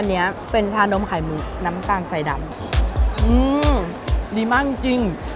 อันนี้เป็นชานมไข่มุกน้ำตาลใส่ดำอืมดีมากจริงจริง